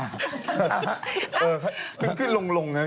สวัสดีครับ